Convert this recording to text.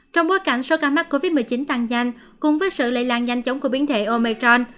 trong bối cảnh số ca mắc covid một mươi chín tăng nhanh cùng với sự lây lan nhanh chóng của biến thể omecron